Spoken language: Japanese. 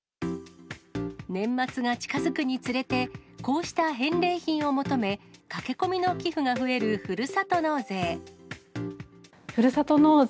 年末が近づくにつれて、こうした返礼品を求め、駆け込みの寄付が増えるふるさと納税。